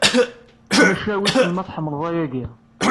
Maca wisen ma tḥemmleḍ ayagi?